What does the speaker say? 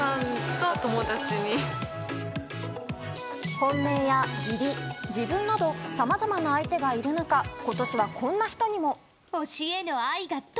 本命や義理、自分などさまざまな相手がいる中今年は、こんな人にも。